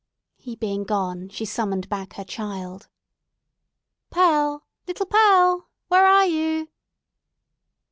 He being gone, she summoned back her child. "Pearl! Little Pearl! Where are you?"